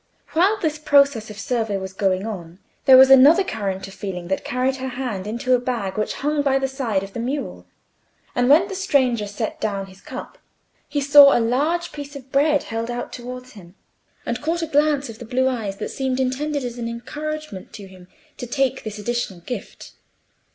While this process of survey was going on, there was another current of feeling that carried her hand into a bag which hung by the side of the mule, and when the stranger set down his cup, he saw a large piece of bread held out towards him, and caught a glance of the blue eyes that seemed intended as an encouragement to him to take this additional gift.